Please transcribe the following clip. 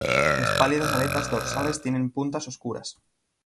Las pálidas aletas dorsales tienen puntas oscuras.